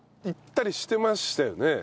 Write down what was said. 行ったりしてましたよね？